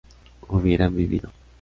¿hubieran vivido?